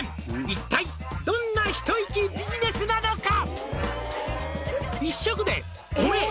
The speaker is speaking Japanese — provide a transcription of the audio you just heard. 「一体どんなひと息ビジネスなのか」